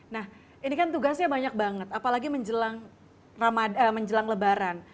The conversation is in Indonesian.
nah ini kan tugasnya banyak banget apalagi menjelang ramadan menjelang lebaran